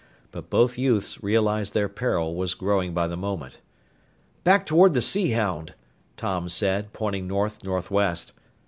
But both youths realized their peril was growing by the moment. "Back toward the Sea Hound," Tom said, pointing north northwest.